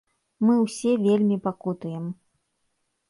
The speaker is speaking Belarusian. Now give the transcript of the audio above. Мы ўсе вельмі пакутуем.